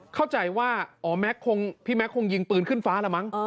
เข้าใจว่าอ๋อพี่แม็กคงยิงปืนขึ้นฟ้าละมั้ง